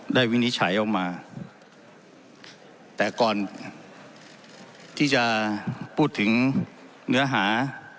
วินิจฉัยออกมาแต่ก่อนที่จะพูดถึงเนื้อหา